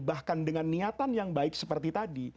bahkan dengan niatan yang baik seperti tadi